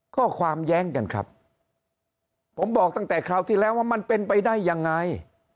แย้งกันครับผมบอกตั้งแต่คราวที่แล้วว่ามันเป็นไปได้ยังไง